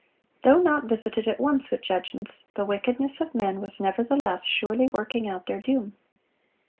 Though not visited at once with judgments, the wickedness of men was nevertheless surely working out their doom.